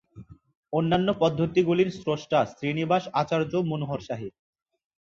অন্যান্য পদ্ধতিগুলির স্রষ্টা শ্রীনিবাস আচার্য-মনোহরশাহী।